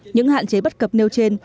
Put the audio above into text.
những hạn chế bất cập nêu trên